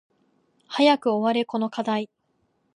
早く終われこの課題